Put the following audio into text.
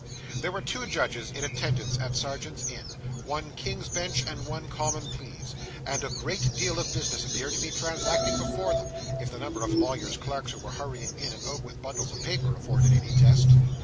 There were two judges in attendance at Serjeant's Inn one King's Bench, and one Common Pleas and a great deal of business appeared to be transacting before them, if the number of lawyer's clerks who were hurrying in and out with bundles of papers, afforded any test.